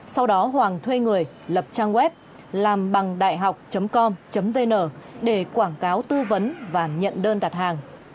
sau đó hoàng thuê người lập trang web làmbằngđạihoc com vn để quảng cáo tư vấn và nhận đơn đặt hàng